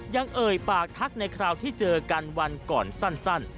เอ่ยปากทักในคราวที่เจอกันวันก่อนสั้น